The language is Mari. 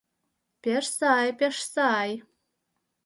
— Пеш сай, пеш сай...